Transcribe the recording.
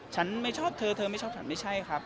ฉันไม่ชอบเธอเธอไม่ชอบฉันไม่ใช่ครับ